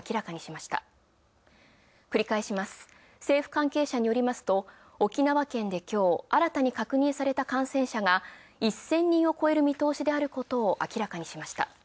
政府関係者によりますと、沖縄県で今日、新たに確認された感染者が１０００人を超える見通しであることを明らかにしました。